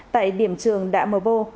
tại điểm trường đạ mơ bô